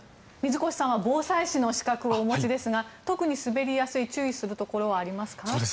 水越さんは防災士の資格もお持ちですが特に滑りやすい注意するところはありますか？